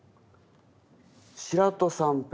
白土三平